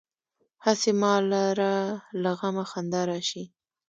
هسې ما لره له غمه خندا راشي.